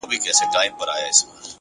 چي بیا زما د ژوند شکايت درنه وړي و تاته؛